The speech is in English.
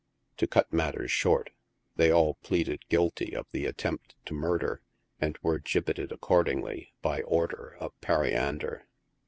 To cut matters short, they all pleaded guilty of the at tempt to murder, and were gibbetted accordingly, by order of Peri ander.